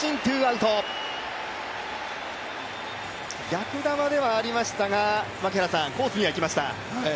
逆球ではありましたがコースにはいきました。